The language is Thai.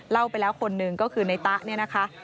เล่าไปแล้วคนหนึ่งก็คือในตะเนี่ยนะคะ